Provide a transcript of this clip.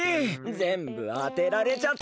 ぜんぶあてられちゃった！